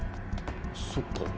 そっか。